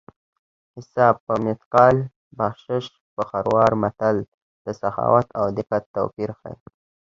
حساب په مثقال بخشش په خروار متل د سخاوت او دقت توپیر ښيي